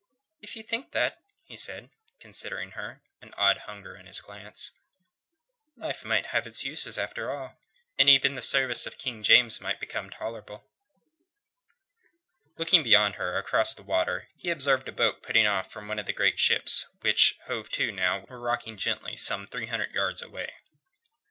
if ye think that," he said, considering her, an odd hunger in his glance, "life might have its uses, after all, and even the service of King James might become tolerable." Looking beyond her, across the water, he observed a boat putting off from one of the great ships, which, hove to now, were rocking gently some three hundred yards away.